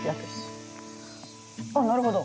あっなるほど。